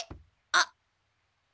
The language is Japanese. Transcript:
あっ！